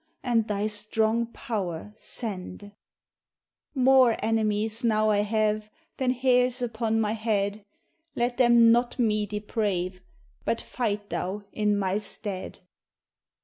And thy stronge power sende. More enemies now 7 I have Than heeres upon my head; Let them not me deprave, But fight thou in my steade.